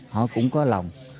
họ cũng có lòng